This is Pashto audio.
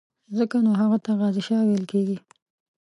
ځکه نو هغه ته غازي شاه ویل کېږي.